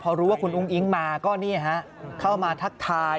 พอรู้ว่าคุณอุ้งอิ๊งมาก็เข้ามาทักทาย